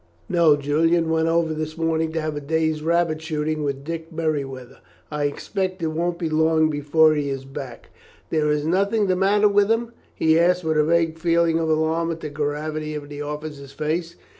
"No. Julian went over this morning to have a day's rabbit shooting with Dick Merryweather. I expect it won't be long before he is back. There is nothing the matter with him?" he asked, with a vague feeling of alarm at the gravity of the officer's face.